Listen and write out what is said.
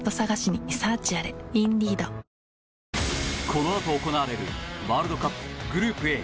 このあと行われるワールドカップ、グループＡ